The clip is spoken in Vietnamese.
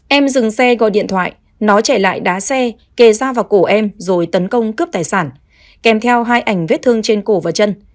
em dừng xe gọi điện thoại nói chạy lại đá xe kề dao vào cổ em rồi tấn công cướp tài sản kèm theo hai ảnh vết thương trên cổ và chân